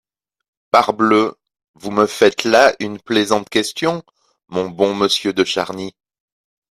Parbleu ! vous me faites là une plaisante question, mon bon monsieur de Charny.